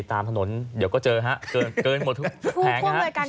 ตามถนนเดี๋ยวก็เจอฮะเกินเกินหมดแผงฮะผู้อำนวยการ